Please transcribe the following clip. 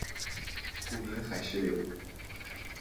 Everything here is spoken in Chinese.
古名海石榴。